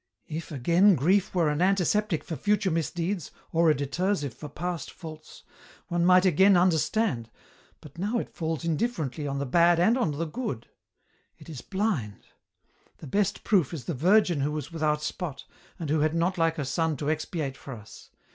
"If, again, grief were an antiseptic for future misdeeds or a detersive for past faults, one might again understand, but now it falls indifferently on the bad and on the good ; it is blind. The best proof is the Virgin who was without spot, and who had not like her Son to expiate for us.